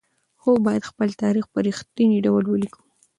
موږ بايد خپل تاريخ په رښتيني ډول ولېکو.